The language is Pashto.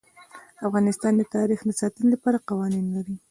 افغانستان د تاریخ د ساتنې لپاره قوانین لري.